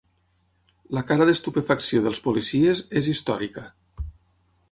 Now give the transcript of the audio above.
La cara d'estupefacció dels policies és històrica.